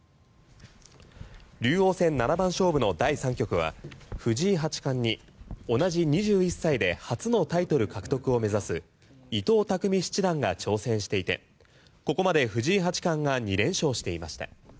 竜王戦七番勝負の第３局は藤井八冠に、同じ２１歳で初のタイトル獲得を目指す伊藤匠七段が挑戦していてここまで藤井八冠が２連勝していました。